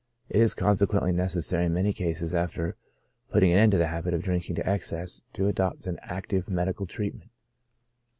It is consequently necessary in many cases, after putting an end to the habit of drinking to excess, to adopt an active medical treat ment.